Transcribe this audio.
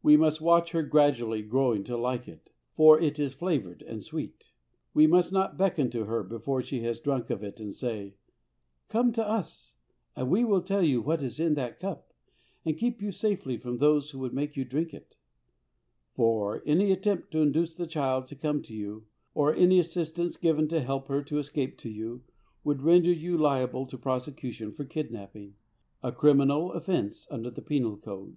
We must watch her gradually growing to like it, for it is flavoured and sweet. We must not beckon to her before she has drunk of it and say, "Come to us and we will tell you what is in that cup, and keep you safely from those who would make you drink it"; for "any attempt to induce the child to come to you, or any assistance given to help her to escape to you, would render you liable to prosecution for kidnapping a criminal offence under the Penal Code."